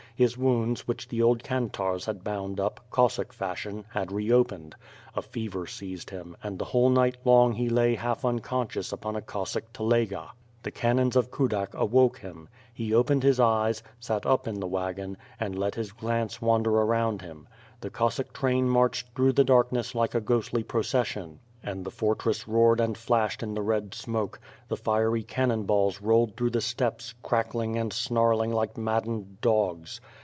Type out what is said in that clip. His wounds which the old kantarz had bound. up, Cossack fashion, had reopened; a fever seized him, and the whole night long he lay half unconscious upon a Cossack tel ega. The canons of Kudak awoke him. He opened his eyes, set up in the wagon, and let his glance wander around him. The Cossack train marched through the darkness like a ghostly procession, and the fortress roared and flashed in the led smoke; the fiery cannon balls rolled through the steppes, crackling and snarling like maddened dogs.